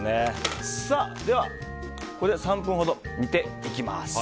では、３分ほど煮ていきます。